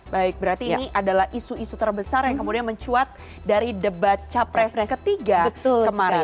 baik berarti ini adalah isu isu terbesar yang kemudian mencuat dari debat capres ketiga kemarin